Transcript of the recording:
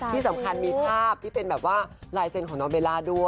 ที่สำคัญมีภาพรายเซ็นของน้องเบล่า